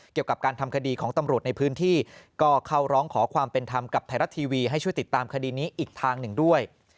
เกี่ยวกับการทำคดีของตำรวจในพื้นที่ก็เข้าร้องขอความเป็นธรรมกับไทยรัฐทีวีให้ช่วยติดตามคดีนี้อีกทางหนึ่งด้วย